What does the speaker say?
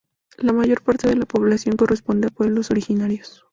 La mayor parte de la población corresponde a pueblos originarios.